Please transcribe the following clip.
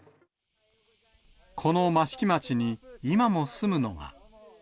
この益城町に今も住むのが。